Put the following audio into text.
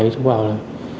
chú bảo là